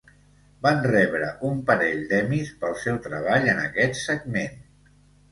Van rebre un parell d'Emmys pel seu treball en aquest segment.